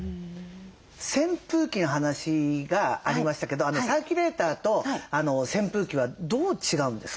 扇風機の話がありましたけどサーキュレーターと扇風機はどう違うんですか？